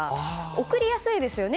贈りやすいですよね。